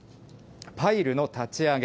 パイルの立ち上げ。